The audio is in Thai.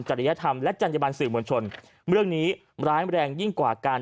ริยธรรมและจัญญบันสื่อมวลชนเรื่องนี้ร้ายแรงยิ่งกว่าการ